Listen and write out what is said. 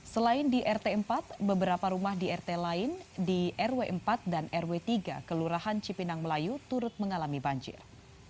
selain di rt empat beberapa rumah di rt lain di rw empat dan rw tiga kelurahan cipinang melayu turut mengalami banjir